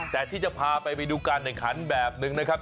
แต่ที่จะพาไปไปดูการแข่งขันแบบนึงนะครับ